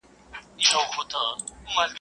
چرگه چي اذان وکي د خاوند سر خوري.